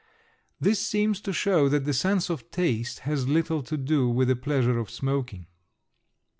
This seems to show that the sense of taste has little to do with the pleasure of smoking.